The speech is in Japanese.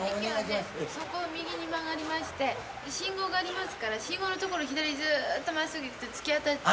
そこを右に曲がりまして信号がありますから信号の所を左にずーっと真っすぐ行くと突き当たって。